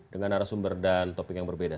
dengan arah sumber dan topik yang berbeda